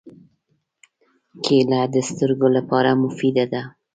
کېله د سترګو لپاره مفیده ده.